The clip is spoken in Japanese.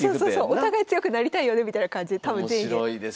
お互い強くなりたいよねみたいな感じで多分善意で。